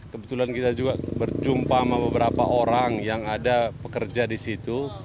kebetulan kita juga berjumpa sama beberapa orang yang ada pekerja di situ